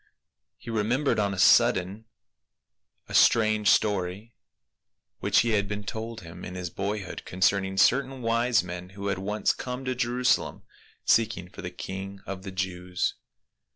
He remembered on a sudden a strange story which had been told him in his boyhood concerning certain wise men who had once come to Jerusalem seeking for the king of the Jews.